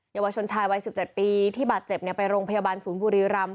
เยาวชนชายวัย๑๗ปีที่บาดเจ็บไปโรงพยาบาลศูนย์บุรีรำ